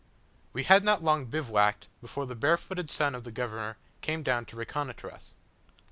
We had not long bivouacked, before the barefooted son of the governor came down to reconnoitre us.